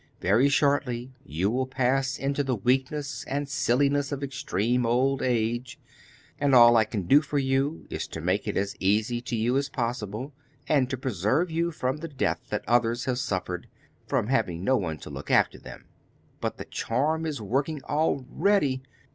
Very shortly you will pass into the weakness and silliness of extreme old age, and all I can do for you is to make it as easy to you as possible, and to preserve you from the death that others have suffered, from having no one to look after them. But the charm is working already!